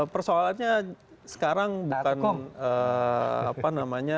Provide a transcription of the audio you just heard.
persoalannya sekarang bukan